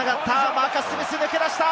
マーカス・スミス抜け出した！